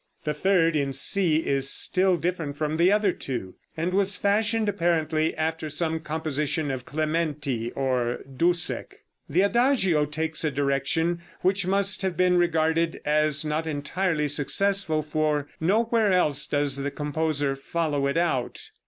The third, in C, is still different from the other two, and was fashioned apparently after some composition of Clementi or Dussek. The Adagio takes a direction which must have been regarded as not entirely successful, for nowhere else does the composer follow it out.